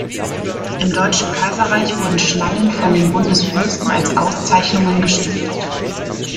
Im Deutschen Kaiserreich wurden Schnallen von den Bundesfürsten als Auszeichnungen gestiftet.